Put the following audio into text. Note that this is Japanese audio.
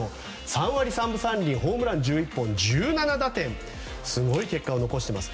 ３割３分３厘、ホームラン１１本１７打点とすごい結果を残してます。